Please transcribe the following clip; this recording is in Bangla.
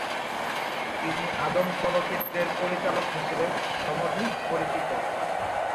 তিনি আদম চলচ্চিত্রের পরিচালক হিসেবে সমধিক পরিচিত।